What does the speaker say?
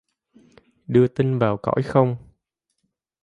Đưa tinh vào cõi không.